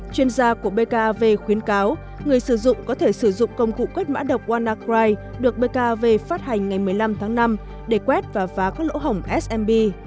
chuyên gia của bkv khuyến cáo người sử dụng có thể sử dụng công cụ quét mã độc wannacride được bkv phát hành ngày một mươi năm tháng năm để quét và phá các lỗ hồng smb